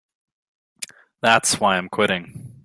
That's why I'm quitting.